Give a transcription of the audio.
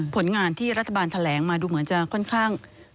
ผลงานที่รัฐบาลแถลงมาดูเหมือนจะค่อนข้าง